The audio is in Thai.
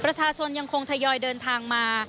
ประชาชนยังคงทยอยเดินทางมา